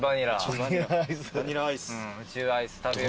宇宙アイス食べよう。